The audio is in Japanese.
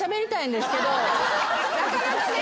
なかなかね。